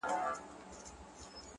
ښكلي دا ستا په يو نظر كي جــادو ـ